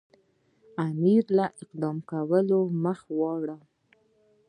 امیر له اقدام کولو مخ اړوي.